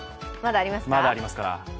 まだありますから。